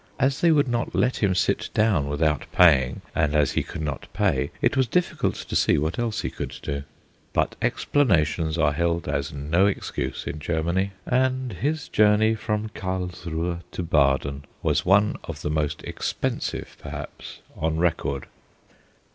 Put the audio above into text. (As they would not let him sit down without paying, and as he could not pay, it was difficult to see what else he could do.) But explanations are held as no excuse in Germany; and his journey from Carlsruhe to Baden was one of the most expensive perhaps on record.